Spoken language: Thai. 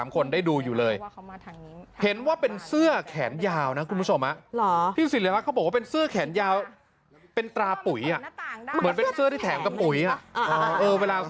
กลัวพี่ศิริรักษ์หนาวอ่ะ